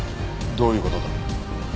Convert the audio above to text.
どういう事だ？